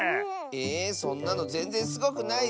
えそんなのぜんぜんすごくないッス！